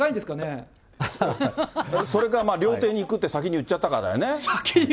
それか、料亭に行くって先に言っちゃったかだよね。